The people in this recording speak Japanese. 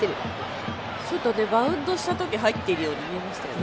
ちょっとバウンドしてるときに入ったように見えましたよね。